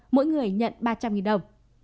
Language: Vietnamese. mỗi người nhận ba trăm linh đồng